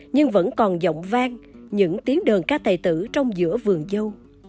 nhưng vẫn còn giọng vang những tiếng đờn ca tài tử trong giữa vườn dâu